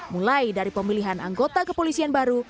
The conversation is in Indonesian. mulai dari pemilihan anggota kepolisian baru